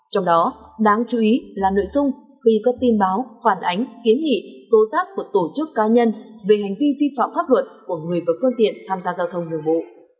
trong đó đáng chú ý là nội dung khi có tin báo phản ánh kiến nghị tố giác của tổ chức cá nhân về hành vi vi phạm pháp luật của người và phương tiện tham gia giao thông đường bộ